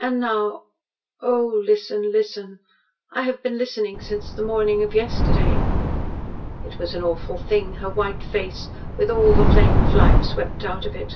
And now Oh, listen listen! I have been listening since the morning of yesterday." It was an awful thing her white face, with all the flame of life swept out of it.